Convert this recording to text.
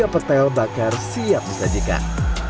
tiga petel bakar siap disajikan